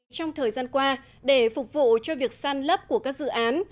trong thời gian qua để phục vụ cho việc săn lấp của các dự án